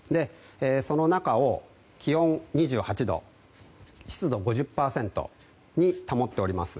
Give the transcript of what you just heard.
その中を気温２８度湿度５０％に保っております。